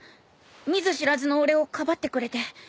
見ず知らずの俺をかばってくれて。